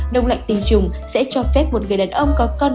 đông lạnh tình trùng sẽ cho phép một người đàn ông có con